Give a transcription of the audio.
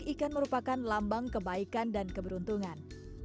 ikan merupakan lambang kebaikan dan keberuntungan